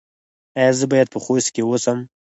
ایا زه باید په خوست کې اوسم؟